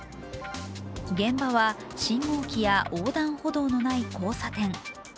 現場は信号機や横断歩道のない交差点。